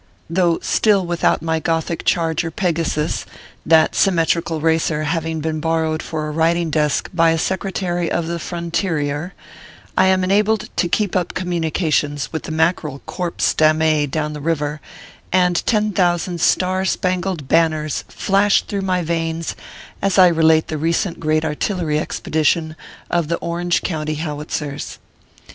Though still without my Gothic charger, Pegasus, that sym metrical racer having been borrowed for a writing desk by a Secretary of the Fronterior, I am enabled to keep up communications with the Mackerel corpse dammee down the river, and ten thousand star span gled banners flash through my veins as I relate the recent great artillery expedition of the Orange County Howitzers.